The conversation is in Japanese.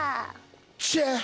チェッ！